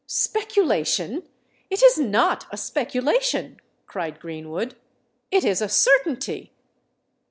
"Speculation! it is not a speculation," cried Greenwood: "it is a certainty."